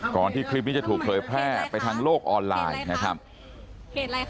ก่อนที่คลิปนี้จะถูกเคยแพร่ไปทางโลกออนไลน์นะครับเขตอะไรคะ